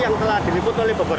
yang telah diliput oleh bapak jokowi